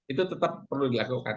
itu tetap perlu dilakukan